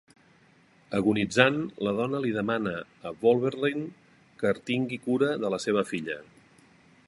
Agonitzant, la dona li demana a Wolverine que tingui cura de la seva filla.